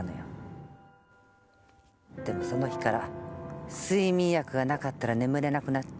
でもその日から睡眠薬がなかったら眠れなくなって。